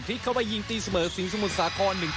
พลิกเข้าไปยิงตีเสมอสิงสมุนสาขอ๑ต่อ๑